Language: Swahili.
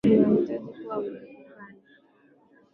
Kiwanda hicho kinahitaji kwa wingi malighafi ya mwani